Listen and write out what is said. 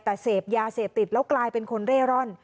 แต่เสพยาเสพติดแล้วกลายเป็นคนเร่ร่อน